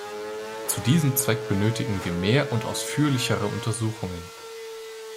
Zu diesem Zweck benötigen wir mehr und ausführlichere Untersuchungen.